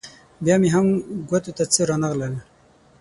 بیا مې هم ګوتو ته څه رانه غلل.